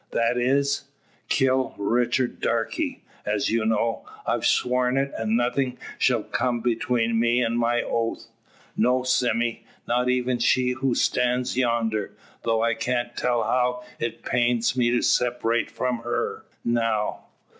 "That is?" "Kill Richard Darke, As you know, I've sworn it, and nothing shall come between me and my oath. No, Sime, not even she who stands yonder; though I can't tell how it pains me to separate from her, now."